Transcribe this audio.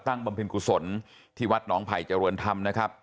มาตั้งบำพินกุศลที่วัดนองไพยจรวนธรรมนะครับ